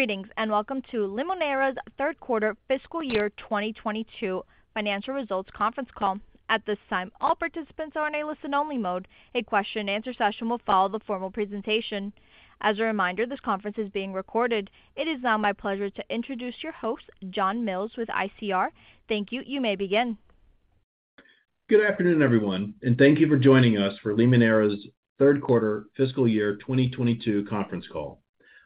Greetings, and welcome to Limoneira's Q3 fiscal year 2022 financial results conference call. At this time, all participants are in a listen-only mode. A Q&A session will follow the formal presentation. As a reminder, this conference is being recorded. It is now my pleasure to introduce your host, John Mills with ICR. Thank you. You may begin. Good afternoon, everyone, and thank you for joining us for Limoneira's Q3 fiscal year 2022 conference call.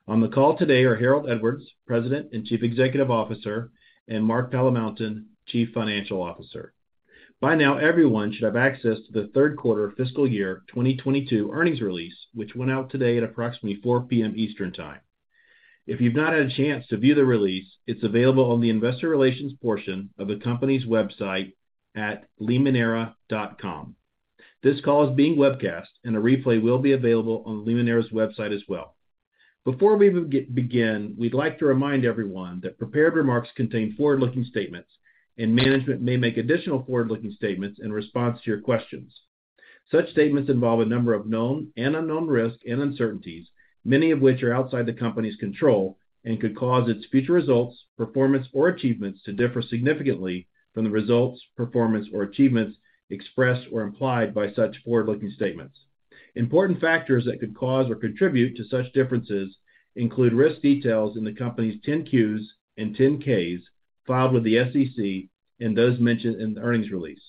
On the call today are Harold Edwards, President and Chief Executive Officer, and Mark Palamountain, Chief Financial Officer. By now, everyone should have access to the Q3 fiscal year 2022 earnings release, which went out today at approximately 4 P.M. Eastern Time. If you've not had a chance to view the release, it's available on the investor relations portion of the company's website at limoneira.com. This call is being webcast, and a replay will be available on Limoneira's website as well. Before we begin, we'd like to remind everyone that prepared remarks contain forward-looking statements, and management may make additional forward-looking statements in response to your questions. Such statements involve a number of known and unknown risks and uncertainties, many of which are outside the company's control, and could cause its future results, performance, or achievements to differ significantly from the results, performance, or achievements expressed or implied by such forward-looking statements. Important factors that could cause or contribute to such differences include risk details in the company's 10-Qs and 10-Ks filed with the SEC and those mentioned in the earnings release.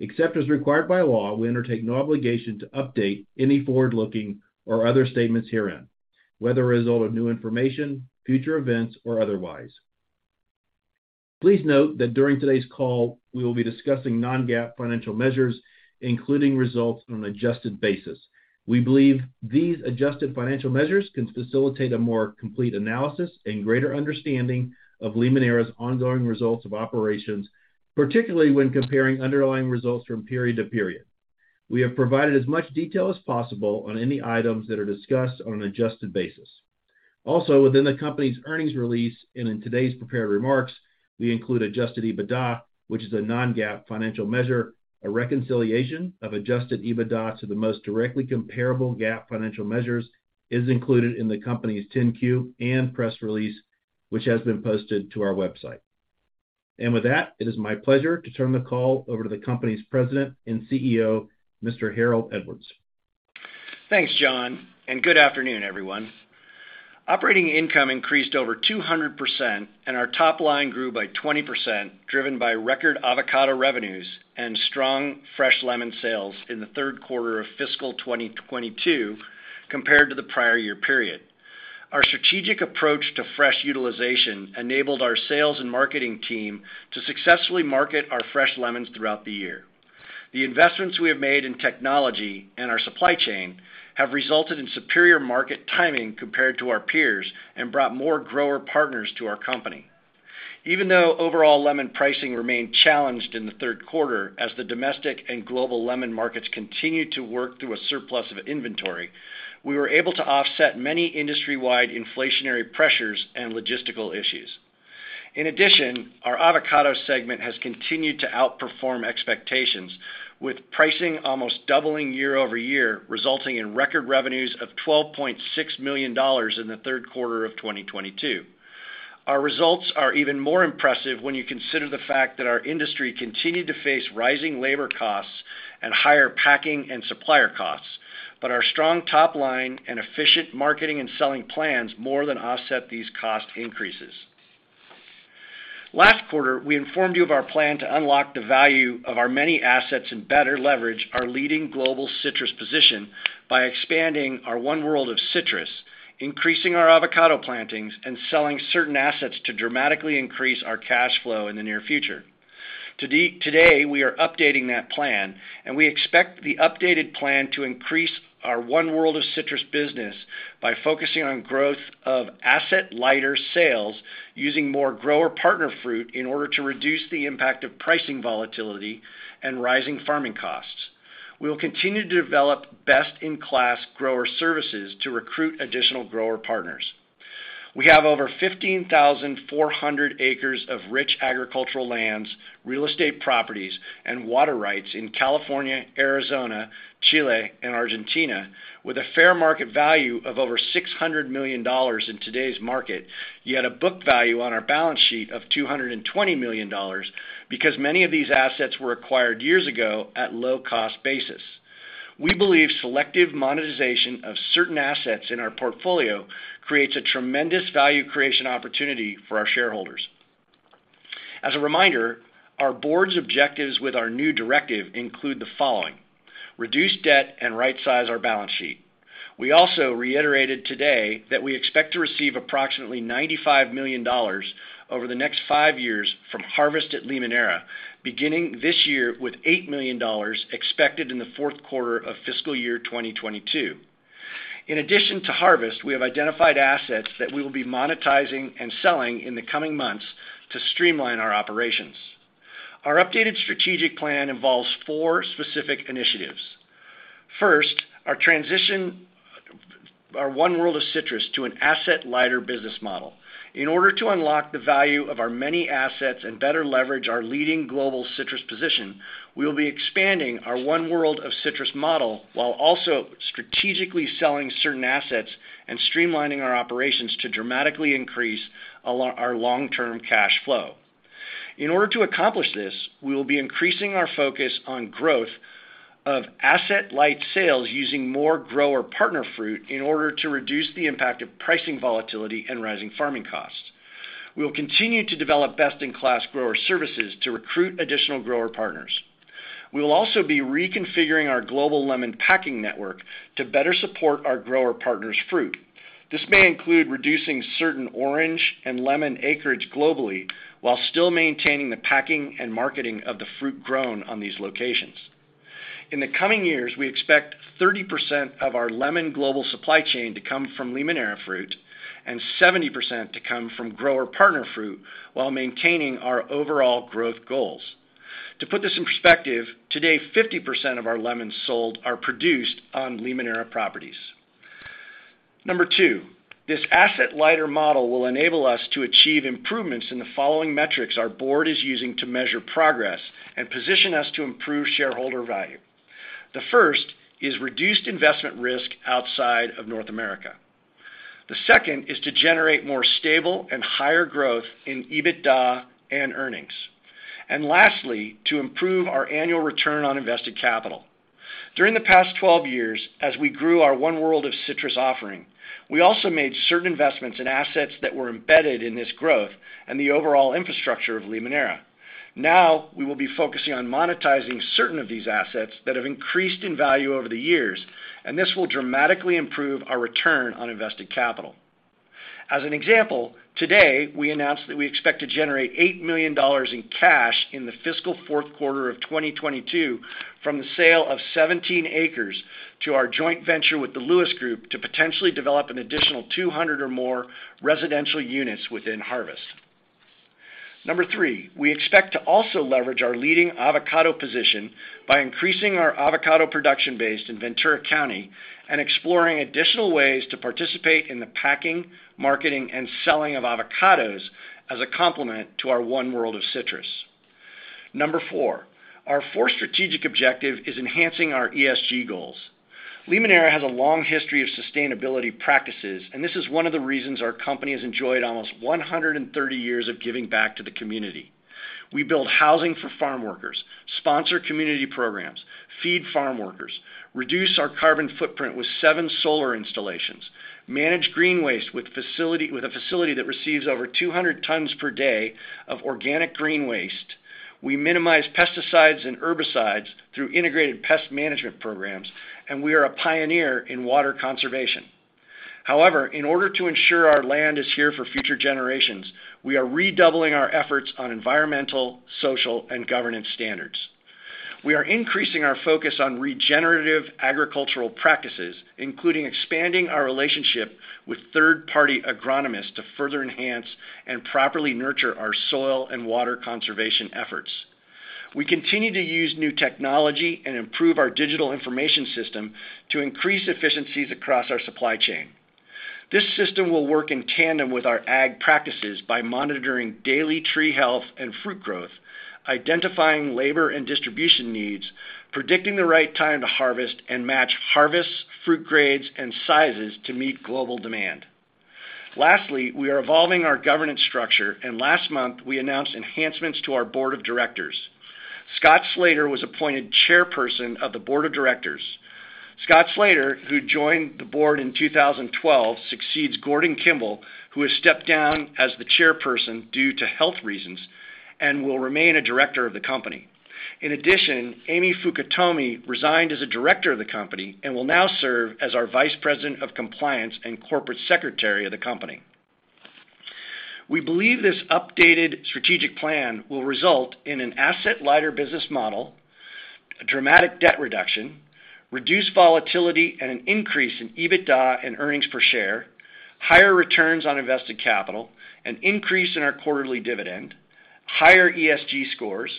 Except as required by law, we undertake no obligation to update any forward-looking or other statements herein, whether a result of new information, future events, or otherwise. Please note that during today's call, we will be discussing non-GAAP financial measures, including results on an adjusted basis. We believe these adjusted financial measures can facilitate a more complete analysis and greater understanding of Limoneira's ongoing results of operations, particularly when comparing underlying results from period to period. We have provided as much detail as possible on any items that are discussed on an adjusted basis. Also, within the company's earnings release, and in today's prepared remarks, we include adjusted EBITDA, which is a non-GAAP financial measure. A reconciliation of adjusted EBITDA to the most directly comparable GAAP financial measures is included in the company's 10-Q and press release, which has been posted to our website. With that, it is my pleasure to turn the call over to the company's President and Chief Executive Officer, Mr. Harold Edwards. Thanks, John, and good afternoon, everyone. Operating income increased over 200%, and our top line grew by 20%, driven by record avocado revenues and strong fresh lemon sales in the Q3 of fiscal 2022 compared to the prior year period. Our strategic approach to fresh utilization enabled our sales and marketing team to successfully market our fresh lemons throughout the year. The investments we have made in technology and our supply chain have resulted in superior market timing compared to our peers and brought more grower partners to our company. Even though overall lemon pricing remained challenged in the Q3 as the domestic and global lemon markets continued to work through a surplus of inventory, we were able to offset many industry-wide inflationary pressures and logistical issues. In addition, our avocado segment has continued to outperform expectations with pricing almost doubling year over year, resulting in record revenues of $12.6 million in the Q3 of 2022. Our results are even more impressive when you consider the fact that our industry continued to face rising labor costs and higher packing and supplier costs. Our strong top line and efficient marketing and selling plans more than offset these cost increases. Last quarter, we informed you of our plan to unlock the value of our many assets and better leverage our leading global citrus position by expanding our One World of Citrus, increasing our avocado plantings, and selling certain assets to dramatically increase our cash flow in the near future. Today, we are updating that plan, and we expect the updated plan to increase our One World of Citrus business by focusing on growth of asset-lighter sales using more grower partner fruit in order to reduce the impact of pricing volatility and rising farming costs. We will continue to develop best-in-class grower services to recruit additional grower partners. We have over 15,400 ac of rich agricultural lands, real estate properties, and water rights in California, Arizona, Chile, and Argentina with a fair market value of over $600 million in today's market, yet a book value on our balance sheet of $220 million because many of these assets were acquired years ago at low cost basis. We believe selective monetization of certain assets in our portfolio creates a tremendous value creation opportunity for our shareholders. As a reminder, our board's objectives with our new directive include the following. Reduce debt and right-size our balance sheet. We also reiterated today that we expect to receive approximately $95 million over the next five years from Harvest at Limoneira, beginning this year with $8 million expected in the Q4 of fiscal year 2022. In addition to Harvest, we have identified assets that we will be monetizing and selling in the coming months to streamline our operations. Our updated strategic plan involves four specific initiatives. First, our One World of Citrus to an asset-lighter business model. In order to unlock the value of our many assets and better leverage our leading global citrus position, we will be expanding our One World of Citrus model while also strategically selling certain assets and streamlining our operations to dramatically increase our long-term cash flow. In order to accomplish this, we will be increasing our focus on growth of asset-light sales using more grower partner fruit in order to reduce the impact of pricing volatility and rising farming costs. We will continue to develop best-in-class grower services to recruit additional grower partners. We will also be reconfiguring our global lemon packing network to better support our grower partners' fruit. This may include reducing certain orange and lemon acreage globally while still maintaining the packing and marketing of the fruit grown on these locations. In the coming years, we expect 30% of our lemon global supply chain to come from Limoneira fruit and 70% to come from grower partner fruit while maintaining our overall growth goals. To put this in perspective, today 50% of our lemons sold are produced on Limoneira properties. Number two, this asset-lighter model will enable us to achieve improvements in the following metrics our board is using to measure progress and position us to improve shareholder value. The first is reduced investment risk outside of North America. The second is to generate more stable and higher growth in EBITDA and earnings. Lastly, to improve our annual return on invested capital. During the past 12 years, as we grew our One World of Citrus offering, we also made certain investments in assets that were embedded in this growth and the overall infrastructure of Limoneira. Now, we will be focusing on monetizing certain of these assets that have increased in value over the years, and this will dramatically improve our return on invested capital. As an example, today, we announced that we expect to generate $8 million in cash in the fiscal Q4 of 2022 from the sale of 17 ac to our joint venture with the Lewis Group to potentially develop an additional 200 or more residential units within Harvest. Number three, we expect to also leverage our leading avocado position by increasing our avocado production base in Ventura County and exploring additional ways to participate in the packing, marketing, and selling of avocados as a complement to our One World of Citrus. Number four, our fourth strategic objective is enhancing our ESG goals. Limoneira has a long history of sustainability practices, and this is one of the reasons our company has enjoyed almost 130 years of giving back to the community. We build housing for farmworkers, sponsor community programs, feed farmworkers, reduce our carbon footprint with 7 solar installations, manage green waste with a facility that receives over 200 tons per day of organic green waste. We minimize pesticides and herbicides through integrated pest management programs, and we are a pioneer in water conservation. However, in order to ensure our land is here for future generations, we are redoubling our efforts on environmental, social, and governance standards. We are increasing our focus on regenerative agricultural practices, including expanding our relationship with third-party agronomists to further enhance and properly nurture our soil and water conservation efforts. We continue to use new technology and improve our digital information system to increase efficiencies across our supply chain. This system will work in tandem with our ag practices by monitoring daily tree health and fruit growth, identifying labor and distribution needs, predicting the right time to harvest, and match harvests, fruit grades, and sizes to meet global demand. Lastly, we are evolving our governance structure, and last month, we announced enhancements to our board of directors. Scott Slater was appointed Chairperson of the Board of Directors. Scott Slater, who joined the board in 2012, succeeds Gordon Kimball, who has stepped down as the Chairperson due to health reasons and will remain a director of the company. In addition, Amy Fukutomi resigned as a director of the company and will now serve as our Vice President of Compliance and Corporate Secretary of the company. We believe this updated strategic plan will result in an asset-lighter business model, a dramatic debt reduction, reduced volatility and an increase in EBITDA and earnings per share, higher returns on invested capital, an increase in our quarterly dividend, higher ESG scores,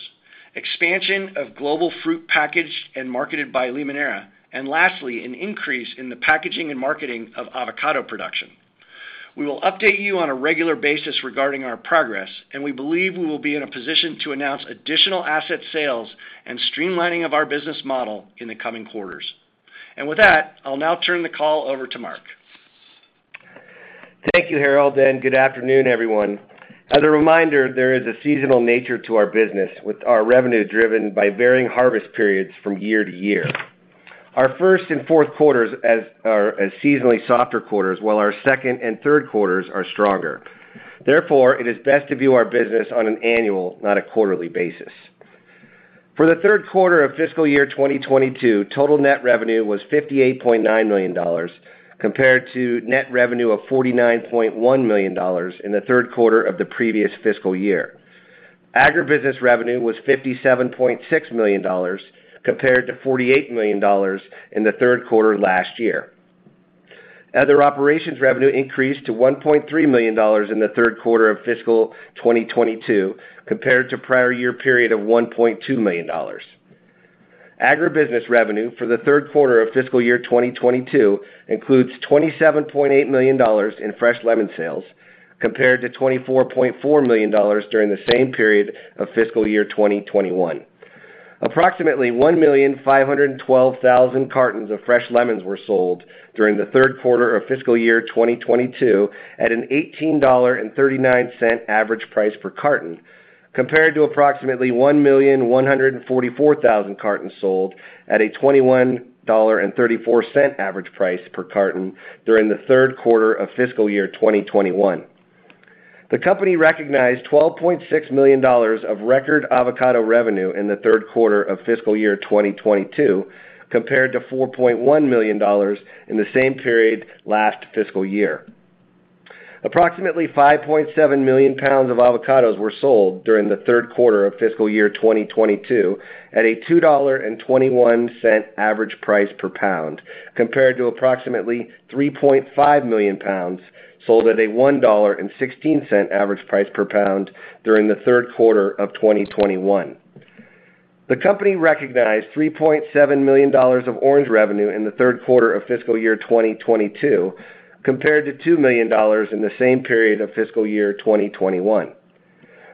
expansion of global fruit packaged and marketed by Limoneira, and lastly, an increase in the packaging and marketing of avocado production. We will update you on a regular basis regarding our progress, and we believe we will be in a position to announce additional asset sales and streamlining of our business model in the coming quarters. With that, I'll now turn the call over to Mark. Thank you, Harold, and good afternoon, everyone. As a reminder, there is a seasonal nature to our business, with our revenue driven by varying harvest periods from year-to-year. Our first and Q4s are seasonally softer quarters, while our second and Q3s are stronger. Therefore, it is best to view our business on an annual, not a quarterly basis. For the Q3 of fiscal year 2022, total net revenue was $58.9 million compared to net revenue of $49.1 million in the Q3 of the previous fiscal year. Agribusiness revenue was $57.6 million compared to $48 million in the Q3 last year. Other operations revenue increased to $1.3 million in the Q3 of fiscal 2022 compared to prior year period of $1.2 million. Agribusiness revenue for the Q3 of fiscal year 2022 includes $27.8 million in fresh lemon sales compared to $24.4 million during the same period of fiscal year 2021. Approximately 1,512,000 cartons of fresh lemons were sold during the Q3 of fiscal year 2022 at an $18.39 average price per carton, compared to approximately 1,144,000 cartons sold at a $21.34 average price per carton during the Q3 of fiscal year 2021. The company recognized $12.6 million of record avocado revenue in the Q3 of fiscal year 2022, compared to $4.1 million in the same period last fiscal year. Approximately 5.7 million pounds of avocados were sold during the Q3 of fiscal year 2022 at a $2.21 average price per pound, compared to approximately 3.5 million pounds sold at a $1.16 average price per pound during the Q3 of 2021. The company recognized $3.7 million of orange revenue in the Q3 of fiscal year 2022, compared to $2 million in the same period of fiscal year 2021.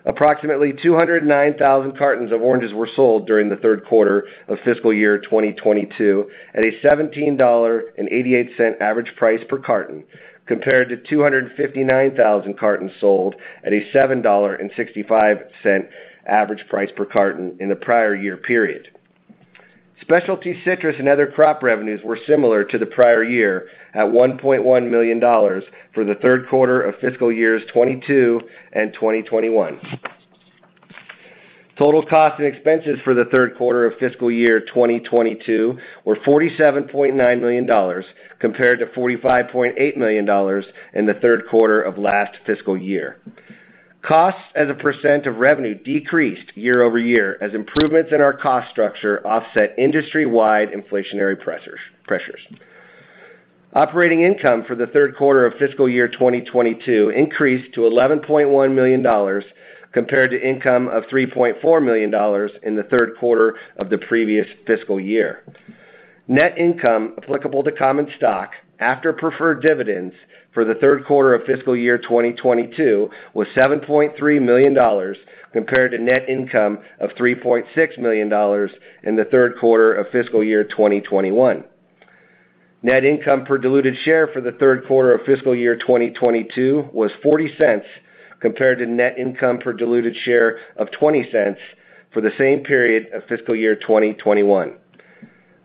Approximately 209,000 cartons of oranges were sold during the Q3 of fiscal year 2022 at a $17.88 average price per carton, compared to 259,000 cartons sold at a $7.65 average price per carton in the prior year period. Specialty citrus and other crop revenues were similar to the prior year at $1.1 million for the Q3 of fiscal years 2022 and 2021. Total costs and expenses for the Q3 of fiscal year 2022 were $47.9 million, compared to $45.8 million in the Q3 of last fiscal year. Costs as a percent of revenue decreased year-over-year as improvements in our cost structure offset industry-wide inflationary pressures. Operating income for the Q3 of fiscal year 2022 increased to $11.1 million compared to income of $3.4 million in the Q3 of the previous fiscal year. Net income applicable to common stock after preferred dividends for the Q3 of fiscal year 2022 was $7.3 million, compared to net income of $3.6 million in the Q3 of fiscal year 2021. Net income per diluted share for the Q3 of fiscal year 2022 was $0.40, compared to net income per diluted share of $0.20 for the same period of fiscal year 2021.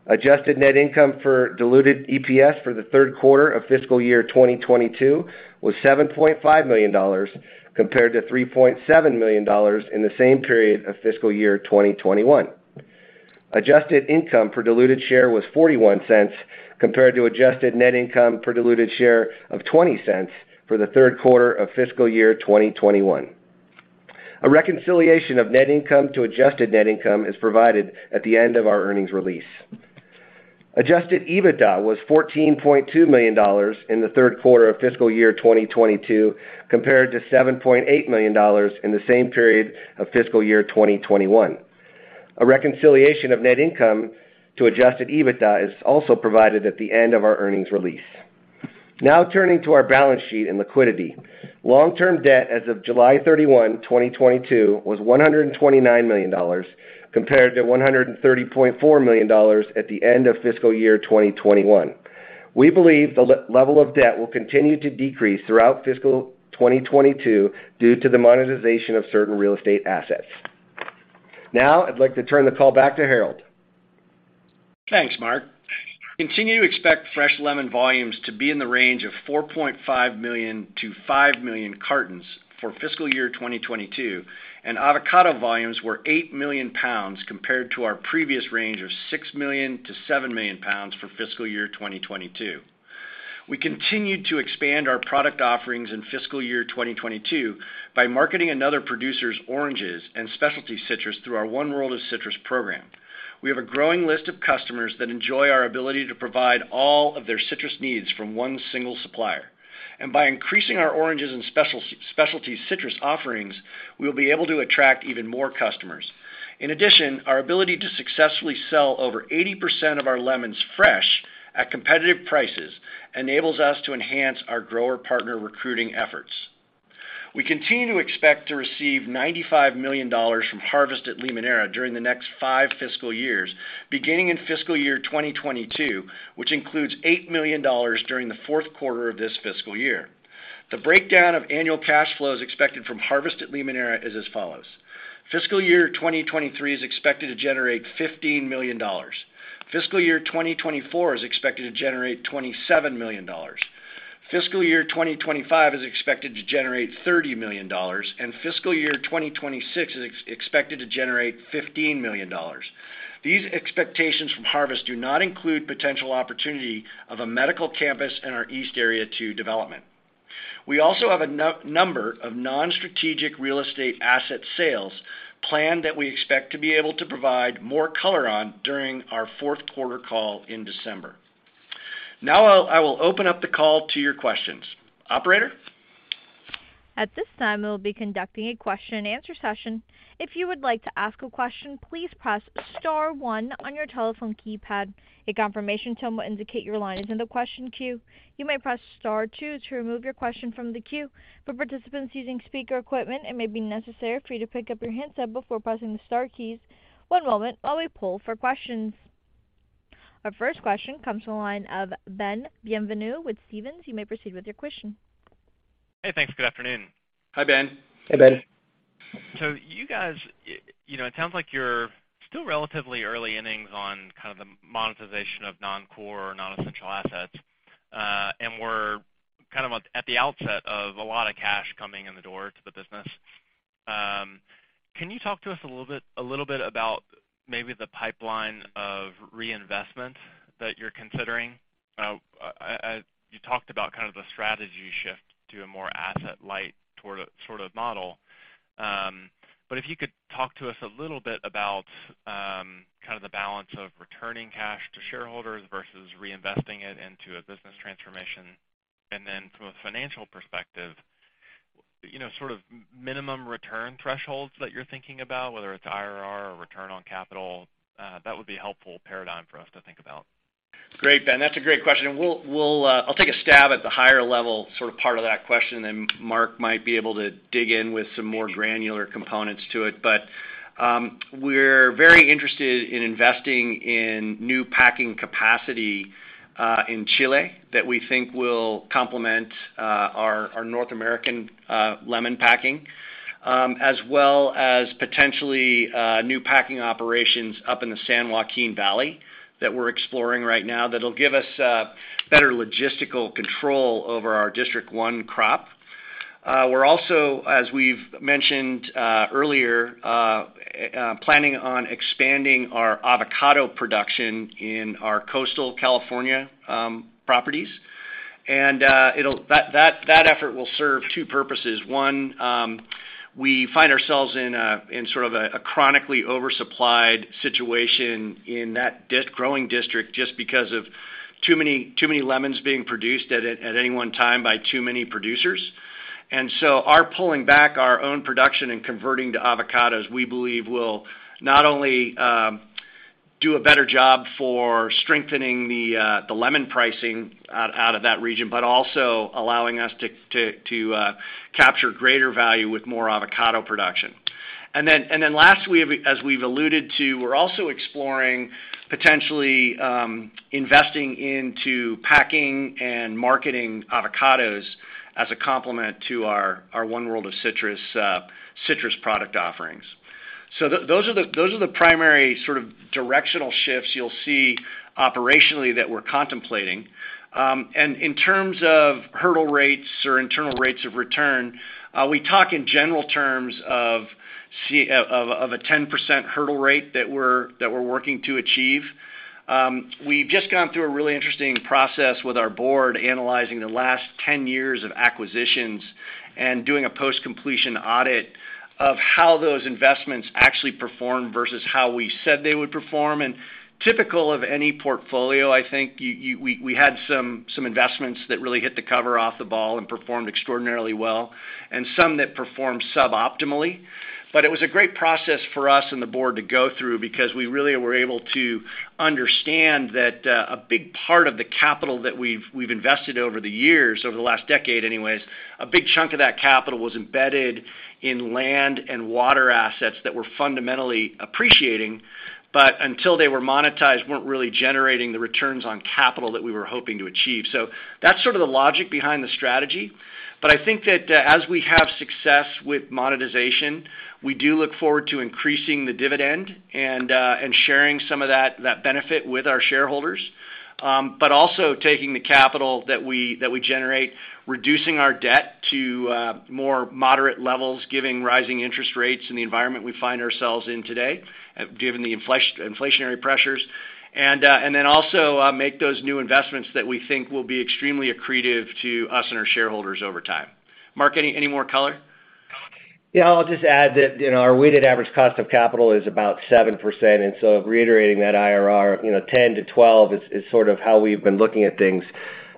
Adjusted net income for diluted EPS for the Q3 of fiscal year 2022 was $7.5 million, compared to $3.7 million in the same period of fiscal year 2021. Adjusted income per diluted share was $0.41, compared to adjusted net income per diluted share of $0.20 for the Q3 of fiscal year 2021. A reconciliation of net income to adjusted net income is provided at the end of our earnings release. Adjusted EBITDA was $14.2 million in the Q3 of fiscal year 2022, compared to $7.8 million in the same period of fiscal year 2021. A reconciliation of net income to adjusted EBITDA is also provided at the end of our earnings release. Now turning to our balance sheet and liquidity. Long-term debt as of July 31, 2022 was $129 million, compared to $130.4 million at the end of fiscal year 2021. We believe the level of debt will continue to decrease throughout fiscal 2022 due to the monetization of certain real estate assets. Now I'd like to turn the call back to Harold. Thanks, Mark. Continue to expect fresh lemon volumes to be in the range of 4.5-5 million cartons for fiscal year 2022, and avocado volumes were eight million pounds compared to our previous range of six-seven million pounds for fiscal year 2022. We continued to expand our product offerings in fiscal year 2022 by marketing another producer's oranges and specialty citrus through our One World of Citrus program. We have a growing list of customers that enjoy our ability to provide all of their citrus needs from one single supplier. By increasing our oranges and specialty citrus offerings, we'll be able to attract even more customers. In addition, our ability to successfully sell over 80% of our lemons fresh at competitive prices enables us to enhance our grower partner recruiting efforts. We continue to expect to receive $95 million from Harvest at Limoneira during the next five fiscal years, beginning in fiscal year 2022, which includes $8 million during the Q4 of this fiscal year. The breakdown of annual cash flows expected from Harvest at Limoneira is as follows. Fiscal year 2023 is expected to generate $15 million, fiscal year 2024 is expected to generate $27 million, fiscal year 2025 is expected to generate $30 million, and fiscal year 2026 is expected to generate $15 million. These expectations from Harvest do not include potential opportunity of a medical campus in our East Area Two development. We also have a number of non-strategic real estate asset sales planned that we expect to be able to provide more color on during our Q4 call in December. Now I will open up the call to your questions. Operator? At this time, we'll be conducting a Q&A session. If you would like to ask a question, please press star one on your telephone keypad. A confirmation tone will indicate your line is in the question queue. You may press star two to remove your question from the queue. For participants using speaker equipment, it may be necessary for you to pick up your handset before pressing the star keys. One moment while we poll for questions. Our first question comes from the line of Ben Bienvenu with Stephens. You may proceed with your question. Hey, thanks. Good afternoon. Hi, Ben. Hey, Ben. You guys, you know, it sounds like you're still relatively early innings on kind of the monetization of non-core, or non-essential assets, and we're kind of at the outset of a lot of cash coming in the door to the business. Can you talk to us a little bit about maybe the pipeline of reinvestment that you're considering? You talked about kind of the strategy shift to a more asset light sort of model. If you could talk to us a little bit about kind of the balance of returning cash to shareholders versus reinvesting it into a business transformation. From a financial perspective, you know, sort of minimum return thresholds that you're thinking about, whether it's IRR or return on capital, that would be a helpful paradigm for us to think about. Great, Ben. That's a great question. I'll take a stab at the higher level sort of part of that question, and Mark might be able to dig in with some more granular components to it. We're very interested in investing in new packing capacity in Chile that we think will complement our North American lemon packing as well as potentially new packing operations up in the San Joaquin Valley that we're exploring right now that'll give us better logistical control over our District one crop. We're also, as we've mentioned, earlier, planning on expanding our avocado production in our coastal California properties. That effort will serve two purposes. One, we find ourselves in sort of a chronically oversupplied situation in that growing district just because of too many lemons being produced at any one time by too many producers. Our pulling back our own production and converting to avocados, we believe will not only do a better job for strengthening the lemon pricing out of that region, but also allowing us to capture greater value with more avocado production. Last, as we've alluded to, we're also exploring potentially investing into packing and marketing avocados as a complement to our One World of Citrus citrus product offerings. Those are the primary sort of directional shifts you'll see operationally that we're contemplating. In terms of hurdle rates or internal rates of return, we talk in general terms of a 10% hurdle rate that we're working to achieve. We've just gone through a really interesting process with our board, analyzing the last 10 years of acquisitions and doing a post-completion audit of how those investments actually performed versus how we said they would perform. Typical of any portfolio, I think we had some investments that really hit the cover off the ball and performed extraordinarily well, and some that performed suboptimally. It was a great process for us and the board to go through because we really were able to understand that, a big part of the capital that we've invested over the years, over the last decade anyways, a big chunk of that capital was embedded in land and water assets that were fundamentally appreciating, but until they were monetized, weren't really generating the returns on capital that we were hoping to achieve. That's sort of the logic behind the strategy, but I think that, as we have success with monetization, we do look forward to increasing the dividend and sharing some of that benefit with our shareholders. Also taking the capital that we generate, reducing our debt to more moderate levels, given rising interest rates in the environment we find ourselves in today, given the inflationary pressures. Then also make those new investments that we think will be extremely accretive to us and our shareholders over time. Mark, any more color? Yeah, I'll just add that, you know, our weighted average cost of capital is about 7%, and so reiterating that IRR, you know, 10-12 is sort of how we've been looking at things.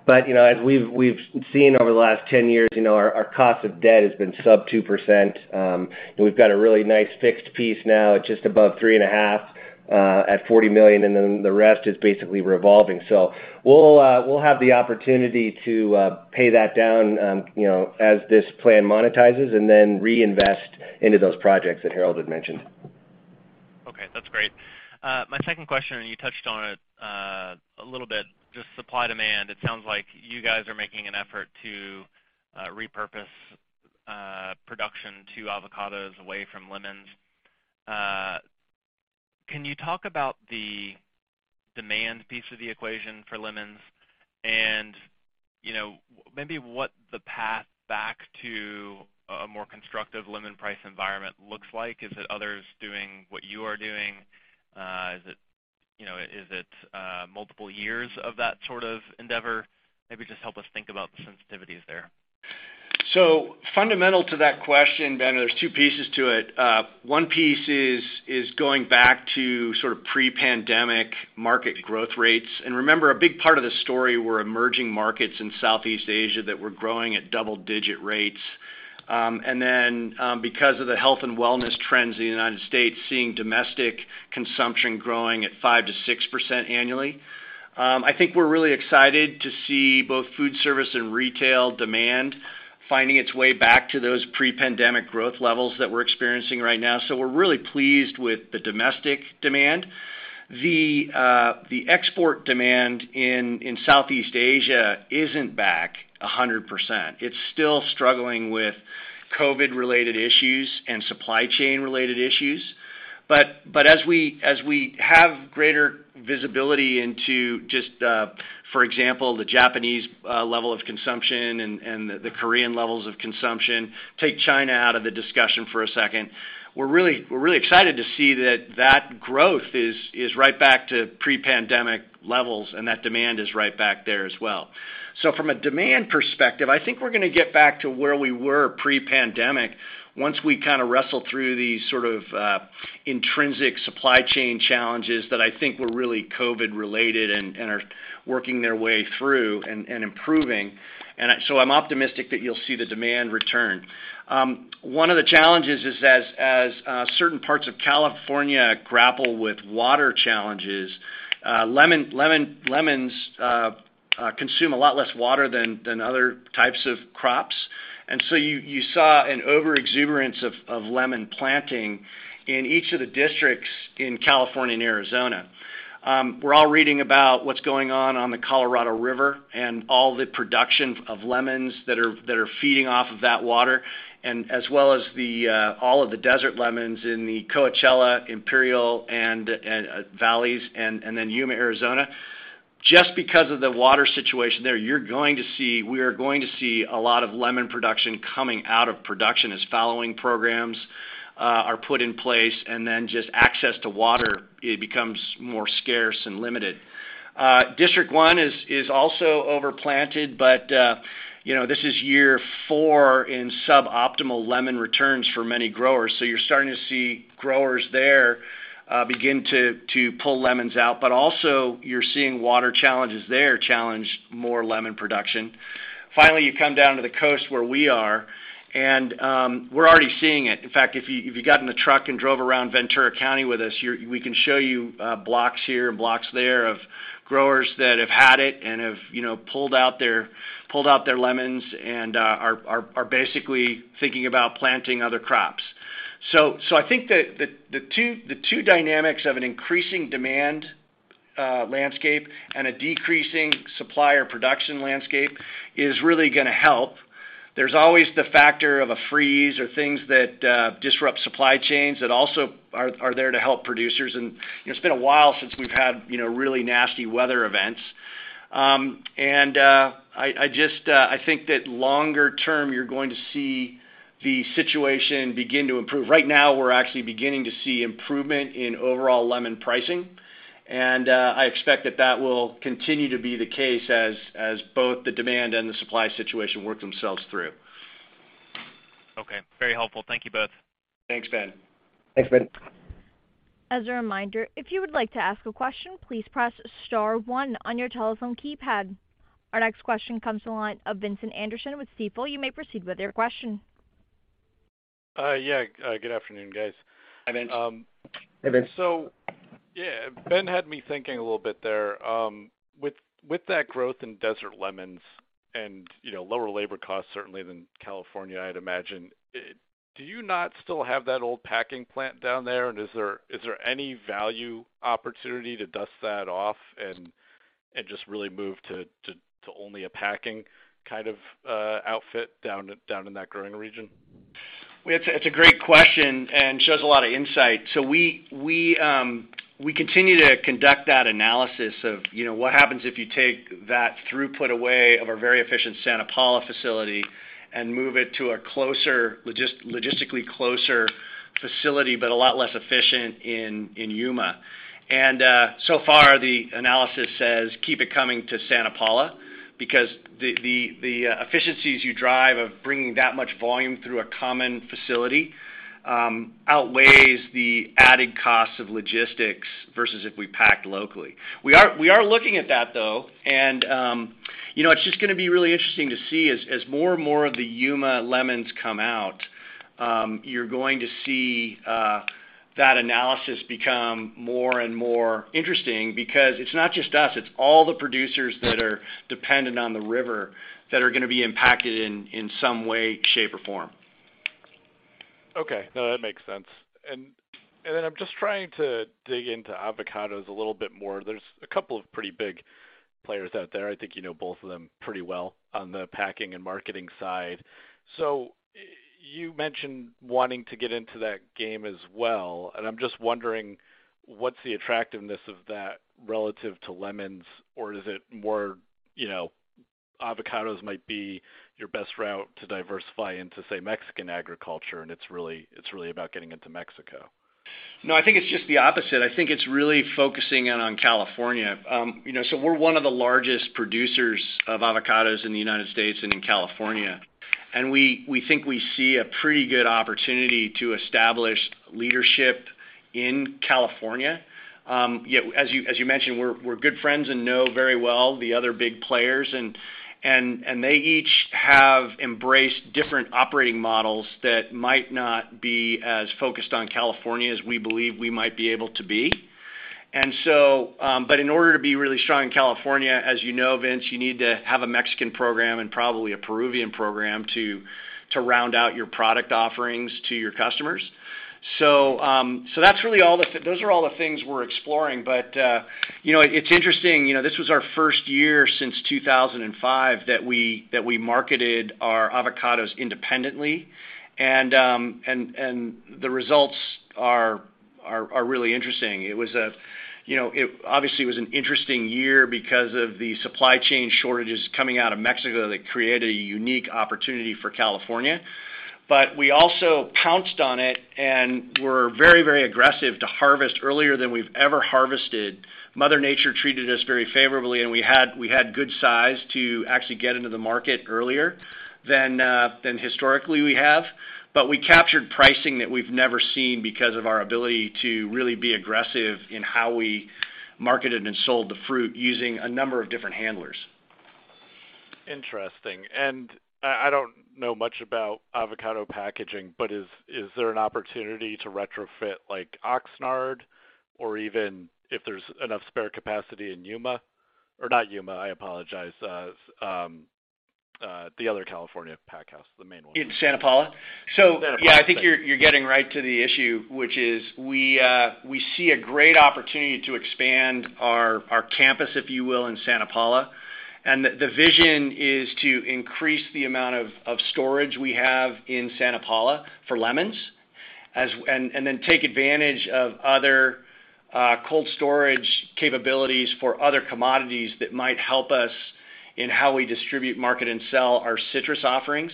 You know, as we've seen over the last 10 years, you know, our cost of debt has been sub 2%. And we've got a really nice fixed piece now at just above 3.5% at $40 million, and then the rest is basically revolving. We'll have the opportunity to pay that down, you know, as this plan monetizes and then reinvest into those projects that Harold had mentioned. Okay. That's great. My second question, you touched on it a little bit, just supply demand. It sounds like you guys are making an effort to repurpose production to avocados away from lemons. Can you talk about the demand piece of the equation for lemons and, you know, maybe what the path back to a more constructive lemon price environment looks like? Is it others doing what you are doing? Is it, you know, multiple years of that sort of endeavor? Maybe just help us think about the sensitivities there. Fundamental to that question, Ben, there's two pieces to it. One piece is going back to sort of pre-pandemic market growth rates. Remember, a big part of the story were emerging markets in Southeast Asia that were growing at double-digit rates. Because of the health and wellness trends in the United States, seeing domestic consumption growing at 5%-6% annually. I think we're really excited to see both food service and retail demand finding its way back to those pre-pandemic growth levels that we're experiencing right now. We're really pleased with the domestic demand. The export demand in Southeast Asia isn't back 100%. It's still struggling with COVID-related issues and supply chain-related issues. As we have greater visibility into just, for example, the Japanese level of consumption and the Korean levels of consumption, take China out of the discussion for a second, we're really excited to see that growth is right back to pre-pandemic levels, and that demand is right back there as well. From a demand perspective, I think we're gonna get back to where we were pre-pandemic once we kind of wrestle through these sort of intrinsic supply chain challenges that I think were really COVID related and are working their way through and improving. I'm optimistic that you'll see the demand return. One of the challenges is as certain parts of California grapple with water challenges, lemons consume a lot less water than other types of crops. You saw an overexuberance of lemon planting in each of the districts in California and Arizona. We're all reading about what's going on on the Colorado River and all the production of lemons that are feeding off of that water, as well as all of the desert lemons in the Coachella, Imperial, and valleys and then Yuma, Arizona. Just because of the water situation there, we are going to see a lot of lemon production coming out of production as fallowing programs are put in place, and then just access to water, it becomes more scarce and limited. District one is also overplanted, but you know, this is year four in suboptimal lemon returns for many growers. You're starting to see growers there begin to pull lemons out, but also you're seeing water challenges there challenge more lemon production. Finally, you come down to the coast where we are and we're already seeing it. In fact, if you got in the truck and drove around Ventura County with us, we can show you blocks here and blocks there of growers that have had it and have pulled out their lemons and are basically thinking about planting other crops. I think the two dynamics of an increasing demand landscape and a decreasing supplier production landscape is really gonna help. There's always the factor of a freeze or things that disrupt supply chains that also are there to help producers. You know, it's been a while since we've had, you know, really nasty weather events. I think that longer term, you're going to see the situation begin to improve. Right now, we're actually beginning to see improvement in overall lemon pricing, and I expect that will continue to be the case as both the demand and the supply situation work themselves through. Okay. Very helpful. Thank you both. Thanks, Ben. Thanks, Ben. As a reminder, if you would like to ask a question, please press star one on your telephone keypad. Our next question comes to the line of Vincent Anderson with Stifel. You may proceed with your question. Good afternoon, guys. Hi, Vincent. Hey, Vince. Yeah, Ben had me thinking a little bit there. With that growth in desert lemons and, you know, lower labor costs certainly than California, I'd imagine. Do you not still have that old packing plant down there? Is there any value opportunity to dust that off and just really move to only a packing kind of outfit down in that growing region? It's a great question and shows a lot of insight. We continue to conduct that analysis of, you know, what happens if you take that throughput away of our very efficient Santa Paula facility and move it to a closer logistically closer facility, but a lot less efficient in Yuma. So far the analysis says, keep it coming to Santa Paula because the efficiencies you drive of bringing that much volume through a common facility outweighs the added cost of logistics versus if we packed locally. We are looking at that though, and you know, it's just gonna be really interesting to see as more and more of the Yuma lemons come out, you're going to see that analysis become more and more interesting because it's not just us, it's all the producers that are dependent on the river that are gonna be impacted in some way, shape, or form. Okay. No, that makes sense. I'm just trying to dig into avocados a little bit more. There's a couple of pretty big players out there. I think you know both of them pretty well on the packing and marketing side. You mentioned wanting to get into that game as well, and I'm just wondering what's the attractiveness of that relative to lemons, or is it more, you know, avocados might be your best route to diversify into, say, Mexican agriculture, and it's really about getting into Mexico? No, I think it's just the opposite. I think it's really focusing in on California. You know, so we're one of the largest producers of avocados in the United States and in California, and we think we see a pretty good opportunity to establish leadership in California. Yeah, as you mentioned, we're good friends and know very well the other big players, and they each have embraced different operating models that might not be as focused on California as we believe we might be able to be. But in order to be really strong in California, as you know, Vince, you need to have a Mexican program and probably a Peruvian program to round out your product offerings to your customers. So that's really those are all the things we're exploring. You know, it's interesting, you know, this was our first year since 2005 that we marketed our avocados independently. The results are really interesting. It was, you know, obviously an interesting year because of the supply chain shortages coming out of Mexico that created a unique opportunity for California. We also pounced on it and were very, very aggressive to harvest earlier than we've ever harvested. Mother Nature treated us very favorably, and we had good size to actually get into the market earlier than historically we have. We captured pricing that we've never seen because of our ability to really be aggressive in how we marketed and sold the fruit using a number of different handlers. Interesting. I don't know much about avocado packaging, but is there an opportunity to retrofit like Oxnard or even if there's enough spare capacity in Yuma or not Yuma? I apologize. The other California pack house, the main one. In Santa Paula? Santa Paula. Yeah, I think you're getting right to the issue, which is we see a great opportunity to expand our campus, if you will, in Santa Paula. The vision is to increase the amount of storage we have in Santa Paula for lemons and then take advantage of other cold storage capabilities for other commodities that might help us in how we distribute, market, and sell our citrus offerings.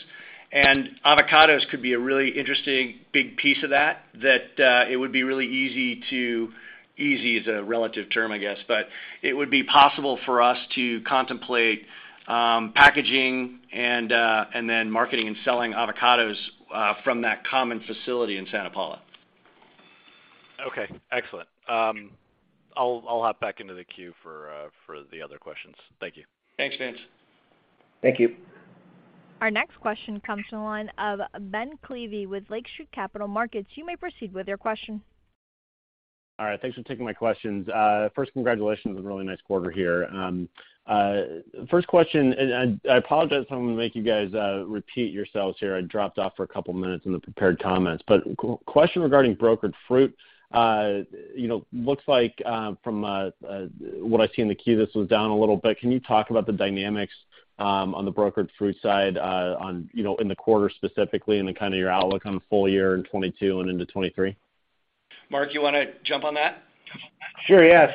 Avocados could be a really interesting big piece of that, it would be really easy to. Easy is a relative term, I guess, but it would be possible for us to contemplate packaging and then marketing and selling avocados from that common facility in Santa Paula. Okay. Excellent. I'll hop back into the queue for the other questions. Thank you. Thanks, Vince. Thank you. Our next question comes from the line of Ben Klieve with Lake Street Capital Markets. You may proceed with your question. All right. Thanks for taking my questions. First, congratulations on a really nice quarter here. First question, and I apologize if I'm gonna make you guys repeat yourselves here. I dropped off for a couple minutes in the prepared comments. Question regarding brokered fruit. You know, looks like, from what I see in the Q, this was down a little bit. Can you talk about the dynamics on the brokered fruit side, on, you know, in the quarter specifically, and then kind of your outlook on the full year in 2022 and into 2023? Mark, you wanna jump on that? Sure, yeah.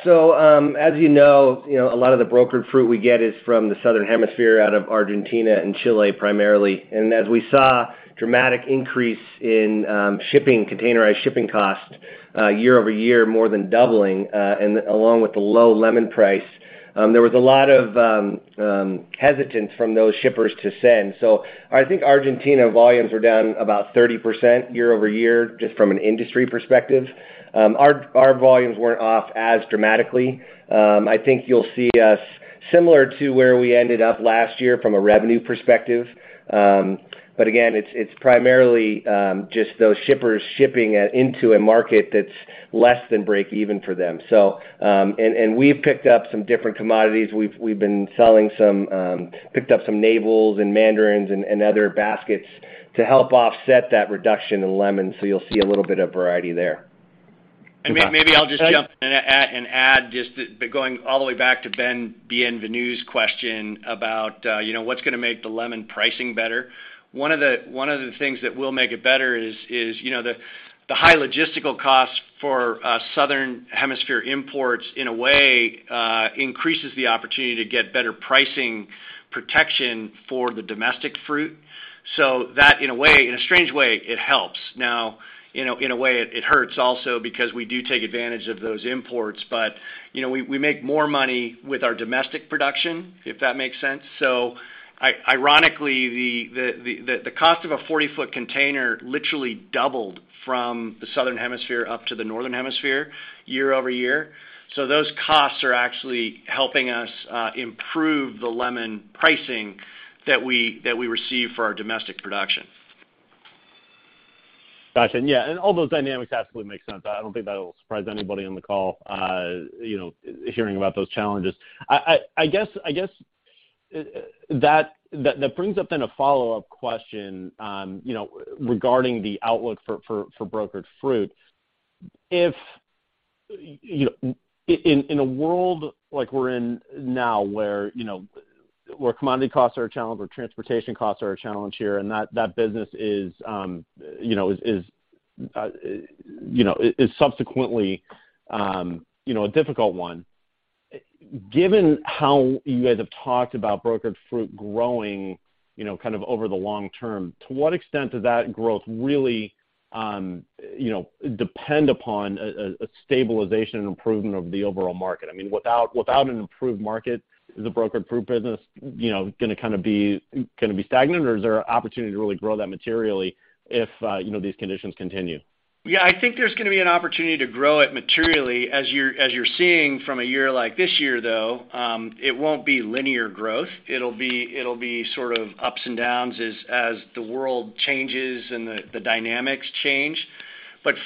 As you know, a lot of the brokered fruit we get is from the southern hemisphere out of Argentina and Chile primarily. As we saw dramatic increase in containerized shipping costs year-over-year more than doubling, and along with the low lemon price, there was a lot of hesitance from those shippers to send. I think Argentina volumes were down about 30% year-over-year just from an industry perspective. Our volumes weren't off as dramatically. I think you'll see us similar to where we ended up last year from a revenue perspective. Again, it's primarily just those shippers shipping into a market that's less than breakeven for them. We've picked up some different commodities. We've been selling some picked up some navels and mandarins and other baskets to help offset that reduction in lemons. You'll see a little bit of variety there. Maybe I'll just jump in and add just, but going all the way back to Ben Bienvenu's question about, you know, what's gonna make the lemon pricing better. One of the things that will make it better is, you know, the high logistical costs for southern hemisphere imports in a way increases the opportunity to get better pricing protection for the domestic fruit. That in a way, in a strange way, it helps. Now, you know, in a way it hurts also because we do take advantage of those imports. You know, we make more money with our domestic production, if that makes sense. Ironically, the cost of a 40-ft container literally doubled from the southern hemisphere up to the northern hemisphere year-over-year. Those costs are actually helping us improve the lemon pricing that we receive for our domestic production. Gotcha. Yeah. All those dynamics absolutely make sense. I don't think that'll surprise anybody on the call, you know, hearing about those challenges. I guess that brings up then a follow-up question, you know, regarding the outlook for brokered fruit. If you know, in a world like we're in now where, you know, where commodity costs are a challenge, where transportation costs are a challenge here, and that business is, you know, subsequently, you know, a difficult one. Given how you guys have talked about brokered fruit growing, you know, kind of over the long term, to what extent does that growth really, you know, depend upon a stabilization and improvement of the overall market? I mean, without an improved market, is the brokered fruit business, you know, gonna kind of be stagnant, or is there opportunity to really grow that materially if, you know, these conditions continue? Yeah, I think there's gonna be an opportunity to grow it materially. As you're seeing from a year like this year, though, it won't be linear growth. It'll be sort of ups and downs as the world changes and the dynamics change.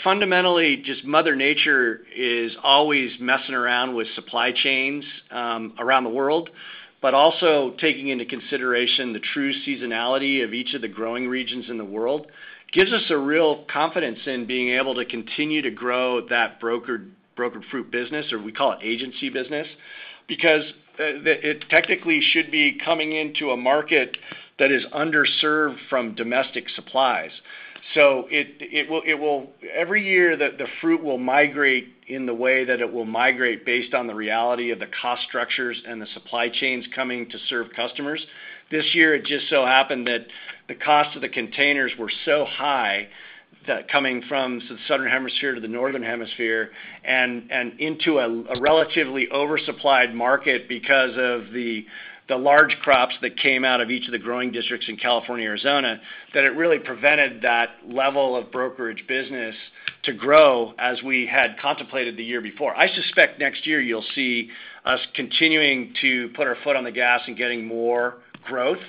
Fundamentally, just Mother Nature is always messing around with supply chains around the world, but also taking into consideration the true seasonality of each of the growing regions in the world, gives us a real confidence in being able to continue to grow that brokered fruit business, or we call it agency business. Because it technically should be coming into a market that is underserved from domestic supplies. Every year, the fruit will migrate in the way that it will migrate based on the reality of the cost structures and the supply chains coming to serve customers. This year, it just so happened that the cost of the containers were so high that coming from southern hemisphere to the northern hemisphere and into a relatively oversupplied market because of the large crops that came out of each of the growing districts in California and Arizona, that it really prevented that level of brokerage business to grow as we had contemplated the year before. I suspect next year you'll see us continuing to put our foot on the gas and getting more growth.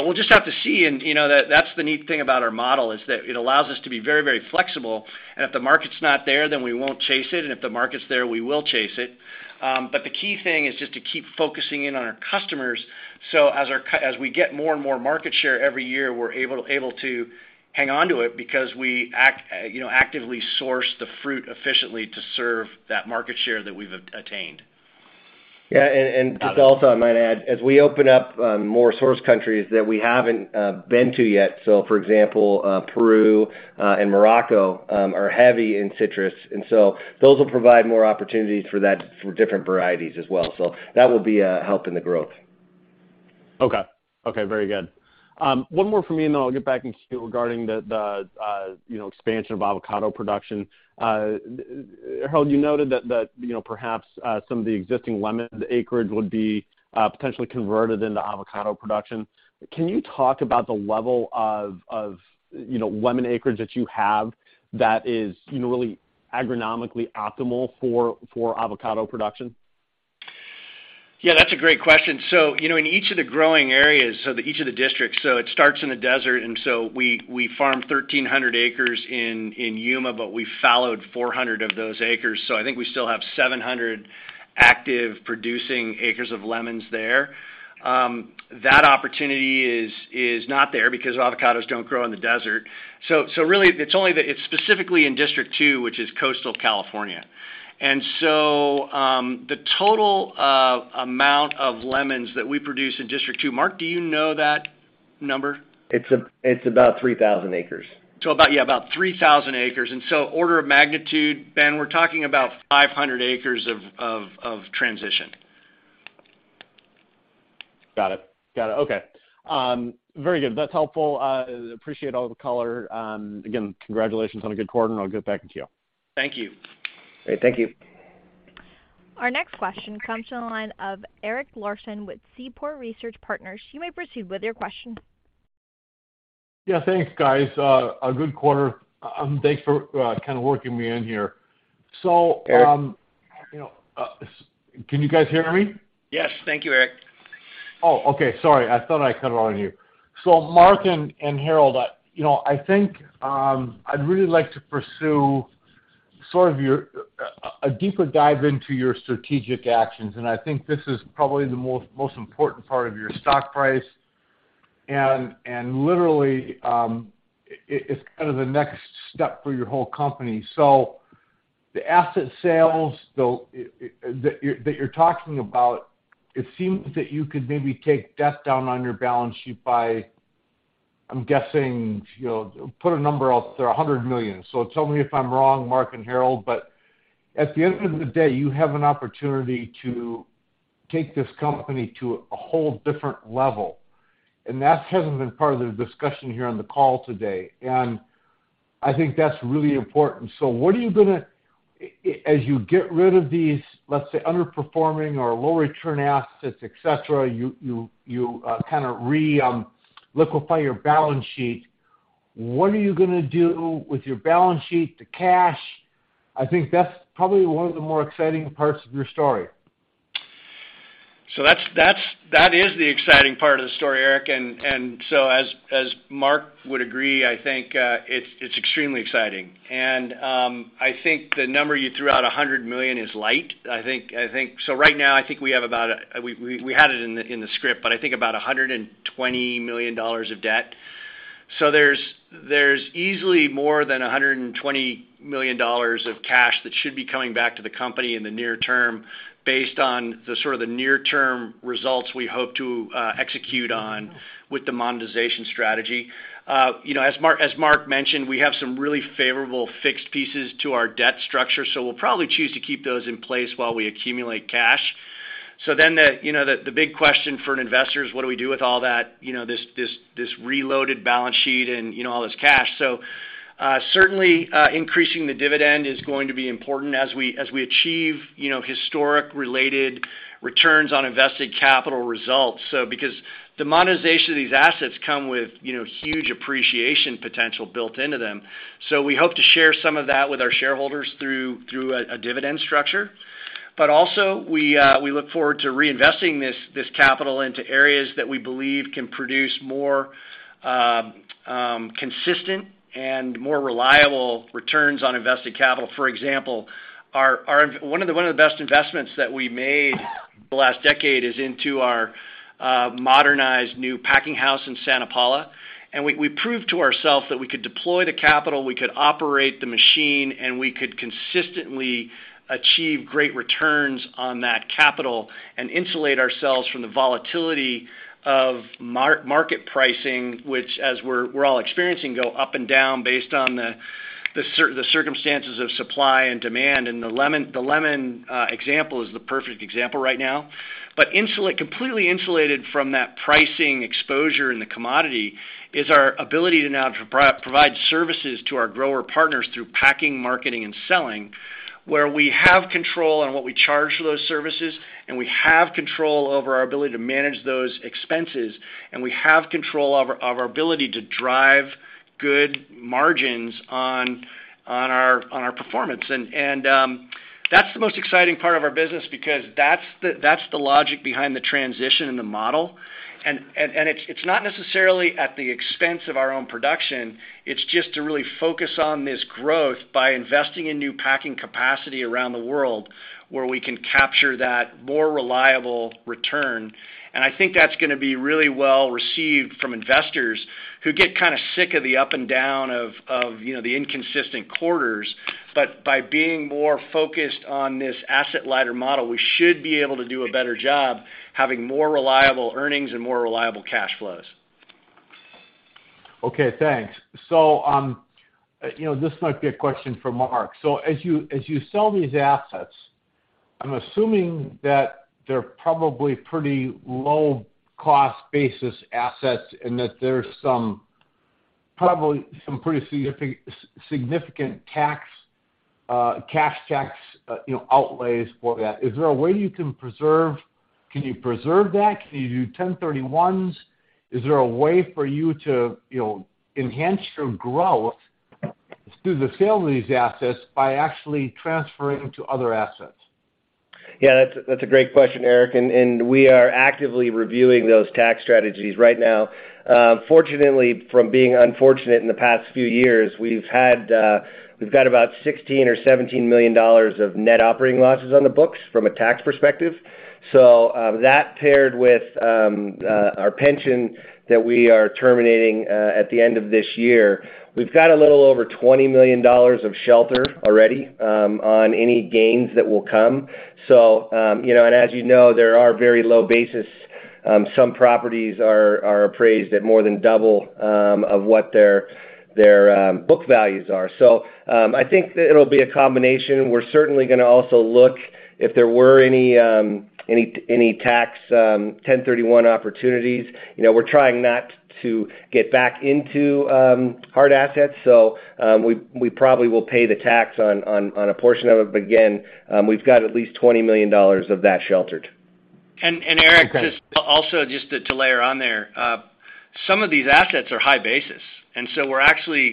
We'll just have to see, and you know, that's the neat thing about our model, is that it allows us to be very, very flexible, and if the market's not there, then we won't chase it, and if the market's there, we will chase it. The key thing is just to keep focusing in on our customers. As we get more and more market share every year, we're able to hang on to it because we actively source the fruit efficiently to serve that market share that we've attained. Yeah, just also I might add, as we open up more source countries that we haven't been to yet, so for example, Peru and Morocco are heavy in citrus. Those will provide more opportunities for that for different varieties as well. That will be a help in the growth. Okay, very good. One more from me, and then I'll get back in queue regarding the you know, expansion of avocado production. Harold, you noted that you know, perhaps some of the existing lemon acreage would be potentially converted into avocado production. Can you talk about the level of you know, lemon acreage that you have that is you know, really agronomically optimal for avocado production? Yeah, that's a great question. You know, in each of the growing areas, each of the districts, it starts in the desert, and we farmed 1,300 ac in Yuma, but we fallowed 400 of those acres. I think we still have 700 active producing acres of lemons there. That opportunity is not there because avocados don't grow in the desert. Really it's specifically in District Two, which is coastal California. The total amount of lemons that we produce in District Two, Mark, do you know that number? It's about 3,000 ac. About 3,000 ac. Order of magnitude, Ben, we're talking about 500 ac of transition. Got it. Okay. Very good. That's helpful. Appreciate all the color. Again, congratulations on a good quarter, and I'll get back into queue. Thank you. Great. Thank you. Our next question comes from the line of Eric Larson with Seaport Research Partners. You may proceed with your question. Yeah, thanks, guys. A good quarter. Thanks for kind of working me in here. Eric? You know, can you guys hear me? Yes. Thank you, Eric. Oh, okay. Sorry. I thought I cut on you. Mark and Harold, you know, I think I'd really like to pursue sort of your a deeper dive into your strategic actions, and I think this is probably the most important part of your stock price. Literally, it's kind of the next step for your whole company. The asset sales though, that you're talking about, it seems that you could maybe take debt down on your balance sheet by, I'm guessing, you know, putting a number out there, $100 million. Tell me if I'm wrong, Mark and Harold, but at the end of the day, you have an opportunity to take this company to a whole different level, and that hasn't been part of the discussion here on the call today. I think that's really important. What are you gonna as you get rid of these, let's say, underperforming or low return assets, et cetera, you kind of liquefy your balance sheet, what are you gonna do with your balance sheet, the cash? I think that's probably one of the more exciting parts of your story. That is the exciting part of the story, Erik. As Mark would agree, I think it's extremely exciting. I think the number you threw out, $100 million, is light. I think right now we have about $120 million of debt. We had it in the script. There's easily more than $120 million of cash that should be coming back to the company in the near term based on the sort of the near term results we hope to execute on with the monetization strategy. You know, as Mark mentioned, we have some really favorable fixed pieces to our debt structure, so we'll probably choose to keep those in place while we accumulate cash. Then the big question for an investor is what do we do with all that, you know, this reloaded balance sheet and, you know, all this cash? Certainly, increasing the dividend is going to be important as we achieve, you know, historic related returns on invested capital results. Because the monetization of these assets come with, you know, huge appreciation potential built into them. We hope to share some of that with our shareholders through a dividend structure. We look forward to reinvesting this capital into areas that we believe can produce more consistent and more reliable returns on invested capital. For example, one of the best investments that we made the last decade is into our modernized new packing house in Santa Paula. We proved to ourselves that we could deploy the capital, we could operate the machine, and we could consistently achieve great returns on that capital and insulate ourselves from the volatility of market pricing, which as we're all experiencing go up and down based on the circumstances of supply and demand. The lemon example is the perfect example right now. Completely insulated from that pricing exposure in the commodity is our ability to now provide services to our grower partners through packing, marketing, and selling, where we have control on what we charge for those services, and we have control over our ability to manage those expenses, and we have control of our ability to drive good margins on our performance. That's the most exciting part of our business because that's the logic behind the transition in the model. It's not necessarily at the expense of our own production, it's just to really focus on this growth by investing in new packing capacity around the world where we can capture that more reliable return. I think that's gonna be really well received from investors who get kind of sick of the up and down of, you know, the inconsistent quarters. By being more focused on this asset lighter model, we should be able to do a better job having more reliable earnings and more reliable cash flows. Okay, thanks. You know, this might be a question for Mark. As you sell these assets, I'm assuming that they're probably pretty low cost basis assets and that there's some probably some pretty significant tax cash tax outlays for that. Is there a way you can preserve? Can you preserve that? Can you do 1031 exchanges? Is there a way for you to, you know, enhance your growth through the sale of these assets by actually transferring to other assets? Yeah, that's a great question, Erik, and we are actively reviewing those tax strategies right now. Fortunately, from being unfortunate in the past few years, we've got about $16 million or $17 million of net operating losses on the books from a tax perspective. That paired with our pension that we are terminating at the end of this year, we've got a little over $20 million of shelter already on any gains that will come. You know, and as you know, there are very low basis, some properties are appraised at more than double of what their book values are. I think that it'll be a combination. We're certainly gonna also look if there were any tax 1031 opportunities. You know, we're trying not to get back into hard assets, so we probably will pay the tax on a portion of it. Again, we've got at least $20 million of that sheltered. Eric, just also to layer on there, some of these assets are high basis, and so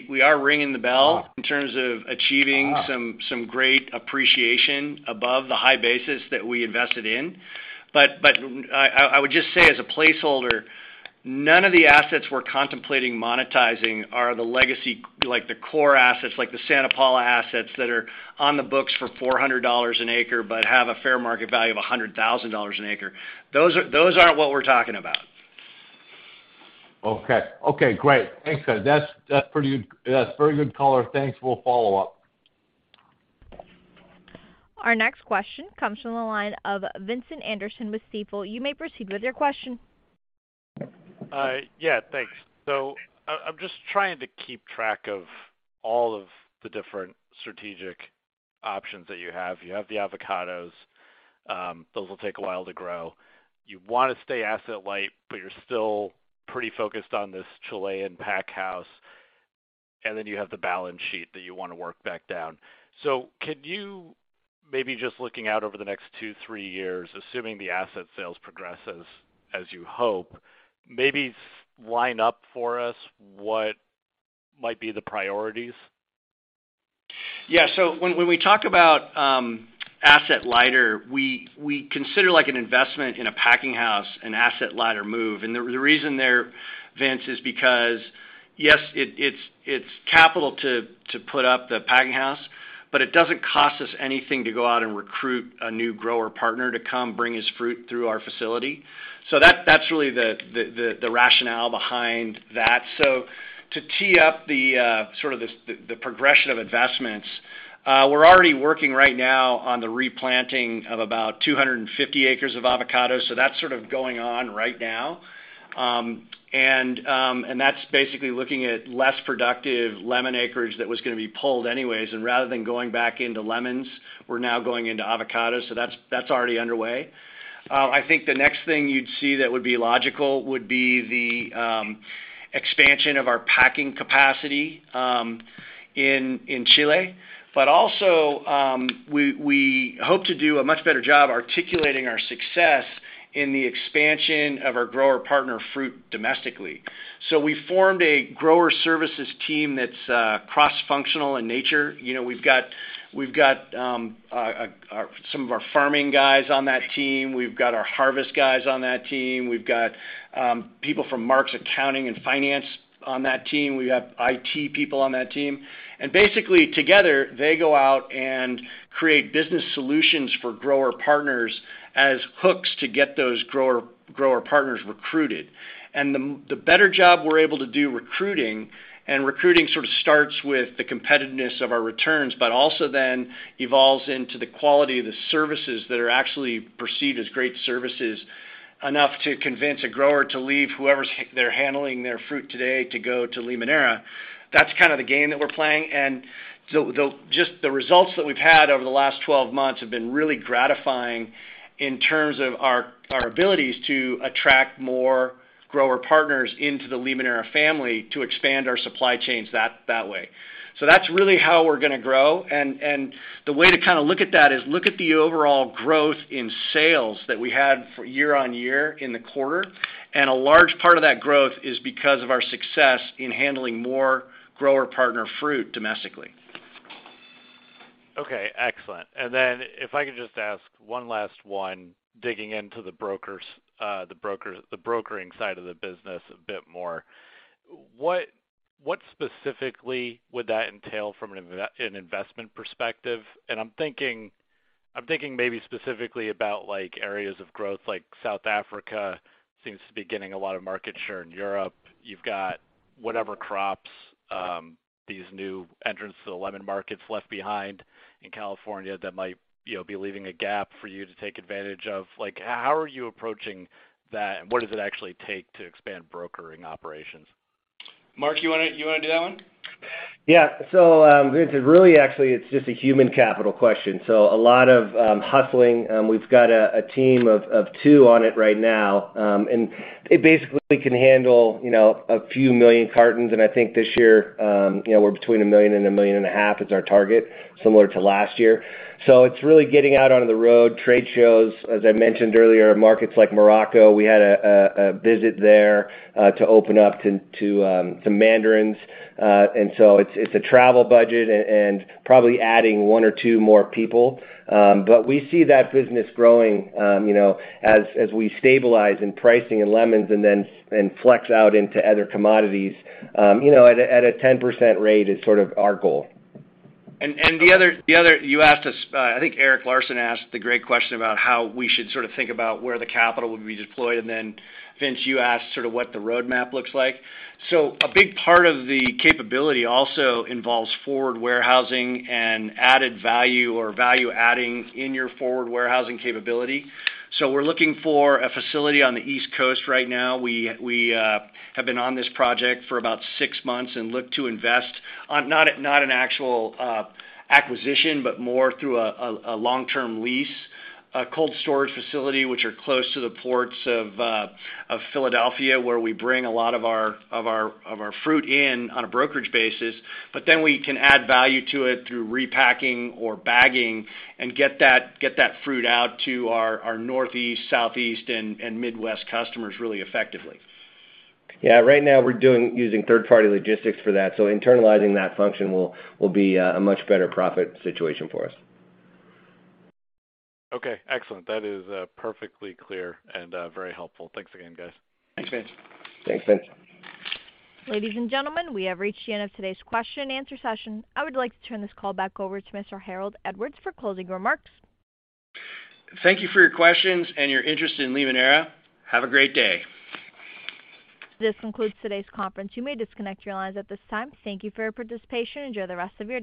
we are ringing the bell in terms of achieving some great appreciation above the high basis that we invested in. I would just say as a placeholder, none of the assets we're contemplating monetizing are the legacy, like the core assets, like the Santa Paula assets that are on the books for $400 an acre, but have a fair market value of $100,000 an acre. Those aren't what we're talking about. Okay. Okay, great. Thanks, guys. That's pretty good. That's very good color. Thanks. We'll follow up. Our next question comes from the line of Vincent Anderson with Stifel. You may proceed with your question. Yeah, thanks. I'm just trying to keep track of all of the different strategic options that you have. You have the avocados, those will take a while to grow. You want to stay asset light, but you're still pretty focused on this Chilean pack house, and then you have the balance sheet that you wanna work back down. Could you maybe just looking out over the next two, three years, assuming the asset sales progresses as you hope, maybe line up for us what might be the priorities? Yeah. When we talk about asset lighter, we consider like an investment in a packing house an asset lighter move. The reason there, Vincent, is because, yes, it's capital to put up the packing house, but it doesn't cost us anything to go out and recruit a new grower partner to come bring his fruit through our facility. That's really the rationale behind that. To tee up the sort of the progression of investments, we're already working right now on the replanting of about 250 ac of avocados, so that's sort of going on right now. That's basically looking at less productive lemon acreage that was gonna be pulled anyways. Rather than going back into lemons, we're now going into avocados. That's already underway. I think the next thing you'd see that would be logical would be the expansion of our packing capacity in Chile. Also, we hope to do a much better job articulating our success in the expansion of our grower partner fruit domestically. We formed a grower services team that's cross-functional in nature. You know, we've got some of our farming guys on that team, we've got our harvest guys on that team, we've got people from Mark's accounting and finance on that team, we have IT people on that team. Basically together, they go out and create business solutions for grower partners as hooks to get those grower partners recruited. The better job we're able to do recruiting, and recruiting sort of starts with the competitiveness of our returns, but also then evolves into the quality of the services that are actually perceived as great services enough to convince a grower to leave whoever's handling their fruit today to go to Limoneira. That's kind of the game that we're playing. Just the results that we've had over the last 12 months have been really gratifying in terms of our abilities to attract more grower partners into the Limoneira family to expand our supply chains that way. That's really how we're gonna grow. The way to kind of look at that is look at the overall growth in sales that we had year-over-year in the quarter. A large part of that growth is because of our success in handling more grower partner fruit domestically. Okay, excellent. If I could just ask one last one, digging into the brokering side of the business a bit more. What specifically would that entail from an investment perspective? I'm thinking maybe specifically about like areas of growth, like South Africa seems to be getting a lot of market share in Europe. You've got whatever crops these new entrants to the lemon markets left behind in California that might, you know, be leaving a gap for you to take advantage of. Like, how are you approaching that, and what does it actually take to expand brokering operations? Mark, you wanna do that one? Yeah. Vincent, really, actually, it's just a human capital question. A lot of hustling. We've got a team of two on it right now. It basically can handle, you know, a few million cartons. I think this year, you know, we're between 1 million and 1.5 million is our target, similar to last year. It's really getting out on the road, trade shows. As I mentioned earlier, markets like Morocco, we had a visit there to open up to some mandarins. It's a travel budget and probably adding one or two more people. We see that business growing, you know, as we stabilize in pricing in lemons and then flex out into other commodities, you know, at a 10% rate is sort of our goal. You asked us. I think Eric Larson asked the great question about how we should sort of think about where the capital would be deployed. Vincent, you asked sort of what the roadmap looks like. A big part of the capability also involves forward warehousing and added value or value-adding in your forward warehousing capability. We're looking for a facility on the East Coast right now. We have been on this project for about six months and look to invest in not an actual acquisition, but more through a long-term lease, a cold storage facility which are close to the ports of Philadelphia, where we bring a lot of our fruit in on a brokerage basis. We can add value to it through repacking or bagging and get that fruit out to our Northeast, Southeast, and Midwest customers really effectively. Yeah. Right now we're using third-party logistics for that, so internalizing that function will be a much better profit situation for us. Okay, excellent. That is perfectly clear and very helpful. Thanks again, guys. Thanks, Vince. Thanks, Vince. Ladies and gentlemen, we have reached the end of today's Q&A session. I would like to turn this call back over to Mr. Harold Edwards for closing remarks. Thank you for your questions and your interest in Limoneira. Have a great day. This concludes today's conference. You may disconnect your lines at this time. Thank you for your participation. Enjoy the rest of your day.